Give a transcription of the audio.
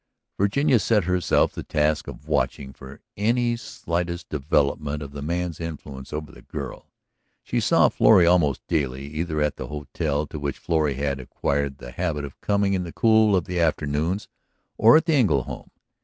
Virginia set herself the task of watching for any slightest development of the man's influence over the girl. She saw Florrie almost daily, either at the hotel to which Florrie had acquired the habit of coming in the cool of the afternoons or at the Engle home.